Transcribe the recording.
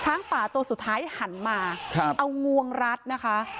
ป่าตัวสุดท้ายหันมาเอางวงรัดนะคะ